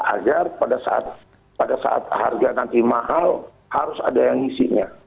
agar pada saat harga nanti mahal harus ada yang ngisinya